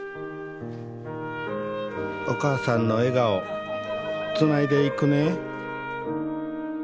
お母さんの笑顔つないでいくね